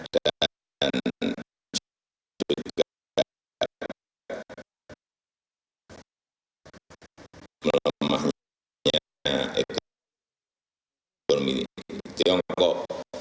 dan juga mengenai makhluknya ekonomi di tiongkok